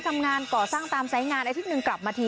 ทำงานก่อสร้างตามสายงานอาทิตย์หนึ่งกลับมาที